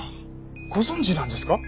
ご存じなんですか？